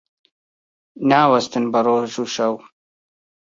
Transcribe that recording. ناوەستن بە ڕۆژ و شەو